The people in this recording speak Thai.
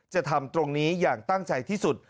ทำตรงนี้อย่างตั้งใจที่สุด